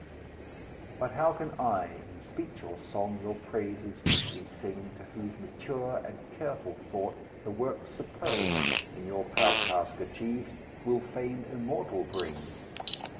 But how can I, in speech or song, Your praises fitly sing, To whose mature and careful thought, The work superb, in your proud task achieved, Will fame immortal bring?